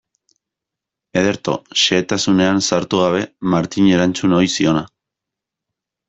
Ederto, xehetasunetan sartu gabe, Martini erantzun ohi ziona.